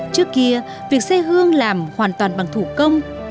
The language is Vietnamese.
trước kia việc xe hương làm hoàn toàn bằng thuốc